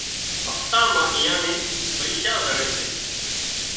هفتا مان اييئان نين پئيشا زڙي سي